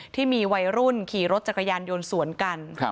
ที่มีวัยรุ่นขี่รถจักรยานยนต์สวนกัน